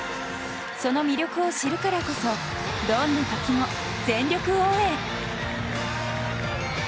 その魅力を知るからこそどんな時も、全力応援！